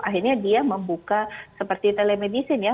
akhirnya dia membuka seperti telemedicine ya